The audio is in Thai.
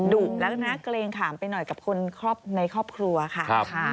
แล้วนะเกรงขามไปหน่อยกับคนในครอบครัวค่ะ